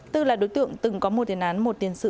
tư là đối tượng từng có một tiền án một tiền sự